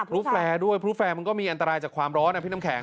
แฟร์ด้วยพลุแฟร์มันก็มีอันตรายจากความร้อนนะพี่น้ำแข